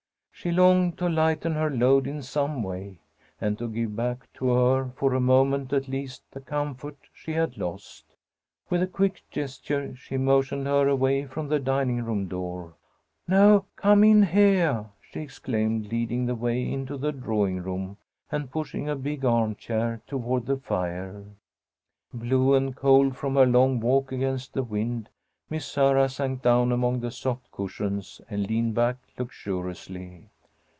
She longed to lighten her load in some way, and to give back to her for a moment at least the comforts she had lost. With a quick gesture she motioned her away from the dining room door. "No, come in heah!" she exclaimed, leading the way into the drawing room, and pushing a big armchair toward the fire. Blue and cold from her long walk against the wind, Miss Sarah sank down among the soft cushions and leaned back luxuriously.